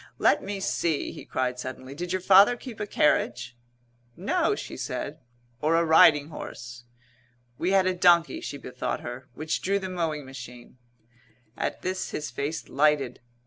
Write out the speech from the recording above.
"Let me see," he cried suddenly, "did your father keep a carriage?" "No," she said. "Or a riding horse!" "We had a donkey," she bethought her, "which drew the mowing machine." At this his face lighted.